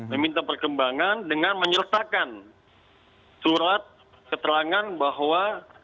meminta perkembangan dengan menyertakan surat keterangan bahwa